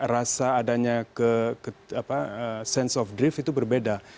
rasa adanya sense of drift itu berbeda